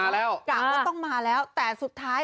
แล้วกะว่าต้องมาแล้วแต่สุดท้าย